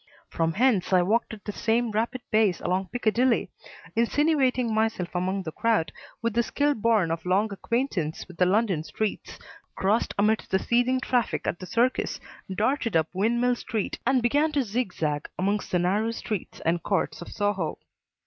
From hence I walked at the same rapid pace along Piccadilly, insinuating myself among the crowd with the skill born of long acquaintance with the London streets, crossed amidst the seething traffic at the Circus, darted up Windmill Street and began to zigzag amongst the narrow streets and courts of Soho.